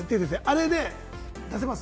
あれで出せます？